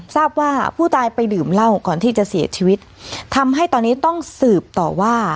ทราบว่าผู้ตายไปดื่มเหล้าก่อนที่จะเสียชีวิตทำให้ตอนนี้ต้องสืบต่อว่า